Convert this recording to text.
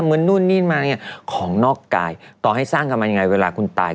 เหมือนนู่นนี่นมาของนอกกายต่อให้สร้างกันมาอย่างไรเวลาคุณตาย